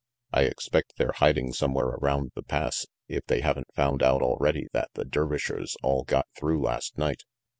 "I expect they're hiding somewhere around the Pass, if they haven't found out already that the Dervishers all got through last night.